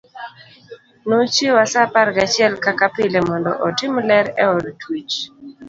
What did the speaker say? Nochiewa sa apar gachiel kaka pile mondo otim ler e od twech.